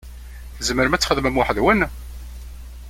Tzemrem ad txedmem weḥd-nwen?